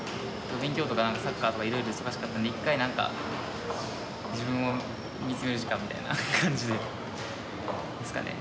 勉強とか何かサッカーとかいろいろ忙しかったんで一回何か自分を見つめる時間みたいな感じでですかね。